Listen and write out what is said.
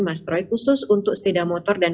mas troy khusus untuk sepeda motor dan